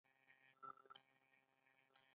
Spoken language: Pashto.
د اسفناج ګل د څه لپاره وکاروم؟